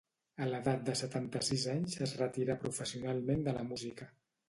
A l'edat de setanta-sis anys es retirà professionalment de la música.